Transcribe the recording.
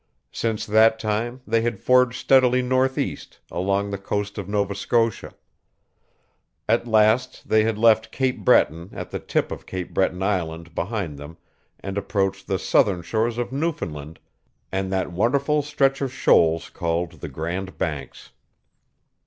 Since that time they had forged steadily northeast, along the coast of Nova Scotia. At last they had left Cape Breton at the tip of Cape Breton Island behind them and approached the southern shores of Newfoundland and that wonderful stretch of shoals called the Grand Banks.